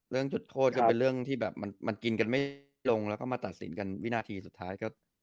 เรื่องจุดโฆษมันกินกันไม่ลงแล้วมาตัดสินกันวินาทีสุดท้าย